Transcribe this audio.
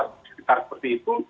sekitar seperti itu